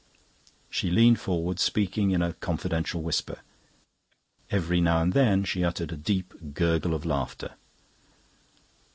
She leaned forward, speaking in a confidential whisper; every now and then she uttered a deep gurgle of laughter.